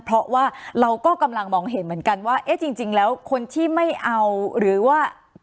เพราะว่าเราก็กำลังมองเห็นเหมือนกันว่าเอ๊ะจริงแล้วคนที่ไม่เอาหรือว่า